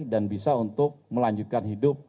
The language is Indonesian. dan bisa untuk melanjutkan hidup